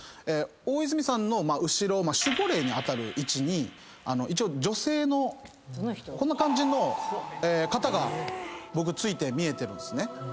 大泉さんの後ろ守護霊に当たる位置に女性のこんな感じの方が僕憑いて見えてるんですね。